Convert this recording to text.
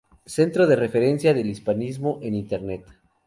Centro de referencia del hispanismo en internet.